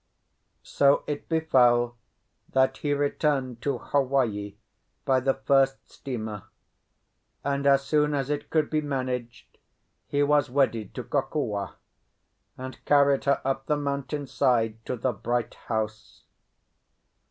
So it befell that he returned to Hawaii by the first steamer, and as soon as it could be managed he was wedded to Kokua, and carried her up the mountain side to the Bright House.